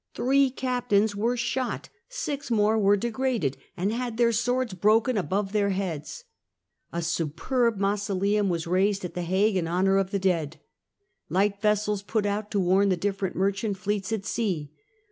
Three captains were shot, six more were degraded and had their swords broken above their heads. A superb mausoleum was raised at the Hague in honour of the dead. Light vessels put out to warn the different merchant fleets at sea.